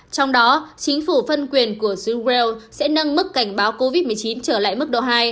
trong đó chính phủ phân quyền của jean well sẽ nâng mức cảnh báo covid một mươi chín trở lại mức độ hai